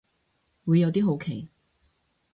會有啲好奇